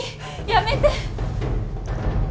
やめて！